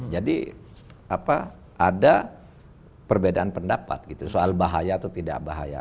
jadi ada perbedaan pendapat gitu soal bahaya atau tidak bahaya